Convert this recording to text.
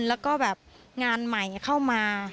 แล้วก็แบบงานใหม่เข้ามา